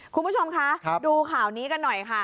คุณผู้ชมคะดูข่าวนี้กันหน่อยค่ะ